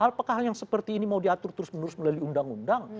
apakah hal yang seperti ini mau diatur terus menerus melalui undang undang